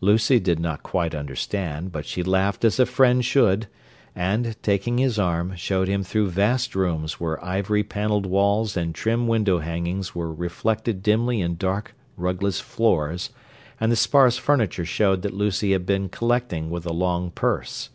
Lucy did not quite understand, but she laughed as a friend should, and, taking his arm, showed him through vast rooms where ivory panelled walls and trim window hangings were reflected dimly in dark, rugless floors, and the sparse furniture showed that Lucy had been "collecting" with a long purse.